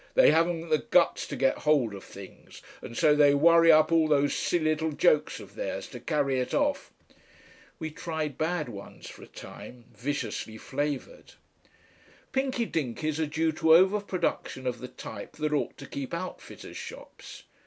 They haven't the Guts to get hold of things. And so they worry up all those silly little jokes of theirs to carry it off."... We tried bad ones for a time, viciously flavoured. Pinky Dinkys are due to over production of the type that ought to keep outfitters' shops.